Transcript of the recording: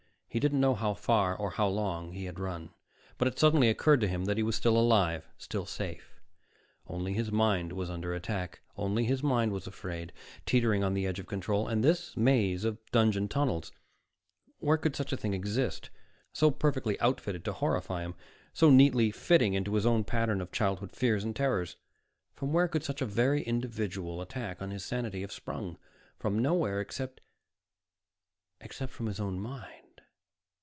He didn't know how far, or how long, he had run, but it suddenly occurred to him that he was still alive, still safe. Only his mind was under attack, only his mind was afraid, teetering on the edge of control. And this maze of dungeon tunnels where could such a thing exist, so perfectly outfitted to horrify him, so neatly fitting into his own pattern of childhood fears and terrors; from where could such a very individual attack on his sanity have sprung? From nowhere except.... _Except from his own mind!